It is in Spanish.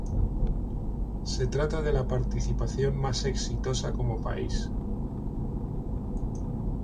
Se trata de la participación más exitosa como país.